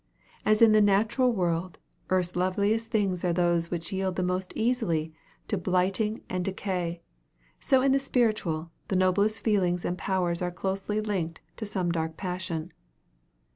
As in the natural world, earth's loveliest things are those which yield most easily to blighting and decay, so in the spiritual, the noblest feelings and powers are closely linked to some dark passion.